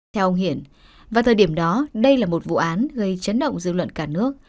theo ông hiển vào thời điểm đó đây là một vụ án gây chấn động dư luận cả nước